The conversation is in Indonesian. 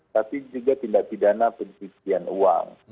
tapi juga tiga pidana penyisian uang